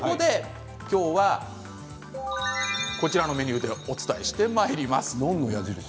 今日は、こちらのメニューでお伝えしてまいります。